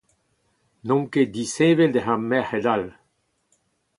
N’omp ket disheñvel diouzh ar merc’hed all !